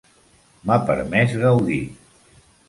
M'ha permès gaudir.